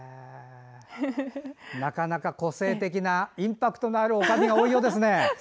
なかなか個性的なインパクトのあるおかみが多いようですね。